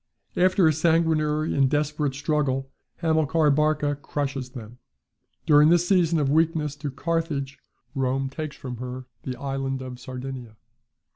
After a sanguinary and desperate struggle, Hamilcar Barca crushes them. During this season of weakness to Carthage, Rome takes from her the island of Sardinia.